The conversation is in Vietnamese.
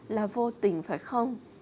là vô tình phải không